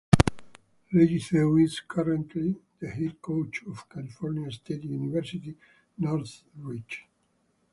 Reggie Theus is currently the head coach of California State University Northridge.